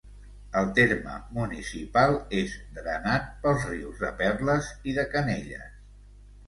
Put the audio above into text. El terme municipal és drenat pels rius de Perles i de Canelles.